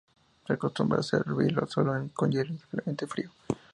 Se acostumbra servirlo solo, con hielo o simplemente frío.